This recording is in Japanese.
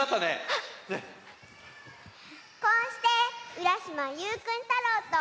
こうしてうらしまゆうくん太郎と。